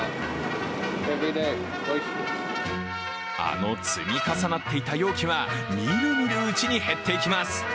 あの積み重なっていた容器はみるみるうちに減っていきます。